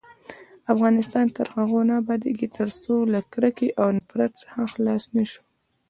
افغانستان تر هغو نه ابادیږي، ترڅو له کرکې او نفرت څخه خلاص نشو.